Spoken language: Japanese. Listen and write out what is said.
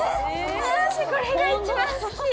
私これが一番好き。